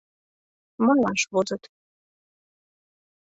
Малаш возыт.